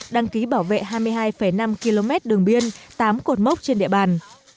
đăng ký bảo vệ hai mươi hai năm km đường biên tám cột mốc trên địa bàn